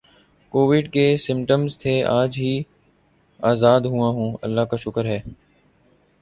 Covid کے symptoms تھے اج ہی ازاد ہوا ہوں اللہ کا شکر ہے اب